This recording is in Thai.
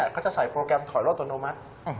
เขาจะใส่โปรแกรมถอยลอัตโนมัติ